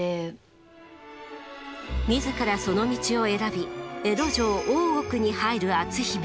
自らその道を選び江戸城大奥に入る篤姫。